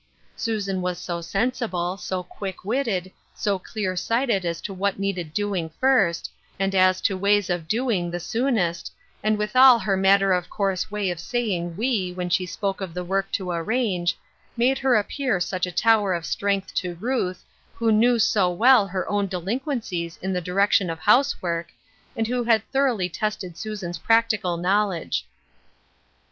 Susan was so sensi ble, so quick witted, so clear sighted as to what needed doing first, and as to ways of doing the soonest, and withal her matter of course way of saying " we " when she spoke of the work to arrange, made her appear such a tower of strength to Ruth, who knew so well her own delinquencies in the direction of housework, and who had thoroughly tested Susan's practical knowledge.